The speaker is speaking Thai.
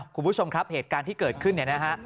คุณผู้ชมครับเหตุการณ์ที่เกิดขึ้นเนี่ยนะฮะ